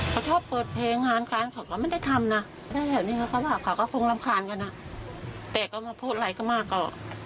เขาชอบเปิดเพลงงานการเขาก็ไม่ได้ทำนะแถวนี้เขาก็แบบเขาก็คงรำคาญกันอ่ะแต่ก็มาพูดอะไรก็มากกว่า